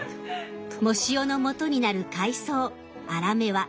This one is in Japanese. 藻塩のもとになる海藻アラメは炒め煮で。